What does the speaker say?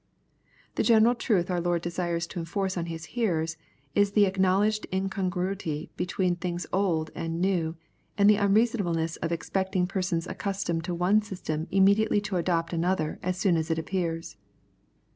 The general truth our Lord desires to enforce on His hearers is the acknowledged incongruity between things old and new, and the unreasonableness of expecting persons accustomed to one system immediately to adopt another as soon as it appears.